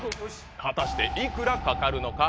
果たしていくらかかるのか？